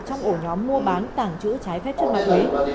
trong ổ nhóm mua bán tàng trữ trái phép chất ma túy